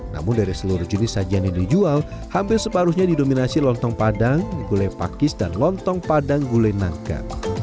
namun dari seluruh jenis sajian yang dijual hampir separuhnya didominasi lontong padang gulai pakis dan lontong padang gulai nangka